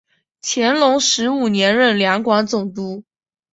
乾隆十五年任两广总督。